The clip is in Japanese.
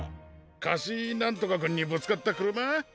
カシなんとかくんにぶつかったくるま？